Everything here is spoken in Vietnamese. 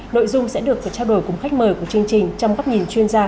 nội dung sẽ được phải trao đổi cùng khách mời của chương trình trong góc nhìn chuyên gia